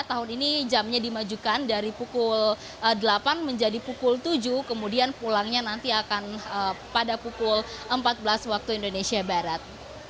tahun ini jamnya dimajukan dari pukul delapan menjadi pukul tujuh kemudian pulangnya nanti akan pada pukul empat belas waktu indonesia barat